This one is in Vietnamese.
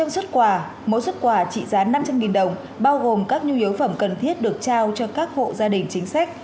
một trăm linh xuất quà mỗi xuất quà trị giá năm trăm linh đồng bao gồm các nhu yếu phẩm cần thiết được trao cho các hộ gia đình chính sách